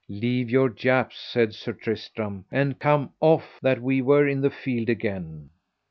Leave your japes, said Sir Tristram, and come off, that [we] were in the field again.